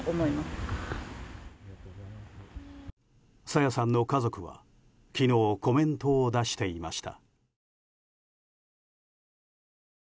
朝芽さんの家族は昨日コメントを出していました。